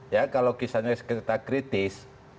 ya kalau kisahnya sekitar kritis